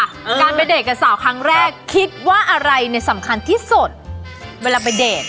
การไปเดทกับสาวครั้งแรกคิดว่าอะไรเนี่ยสำคัญที่สุดเวลาไปเดท